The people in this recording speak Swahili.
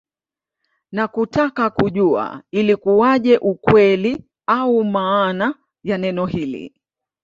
Na kutaka kujua ilikuaje ukweli au maana ya neno hili